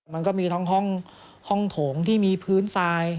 มันก็มีทั้งห้องโถงที่มีพื้นทราย